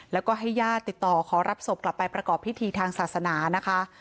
แล้วก็ให้ญาติติดต่อขอรับศพกลับไปประกอบพิธีทางศาสนานะคะ